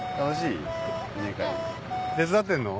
手伝ってんの？